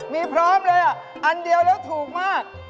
มีพร้อมเลยอันเดียวแล้วถูกมาก